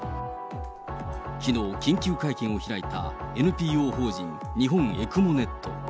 きのう、緊急会見を開いたＮＰＯ法人日本ＥＣＭＯｎｅｔ。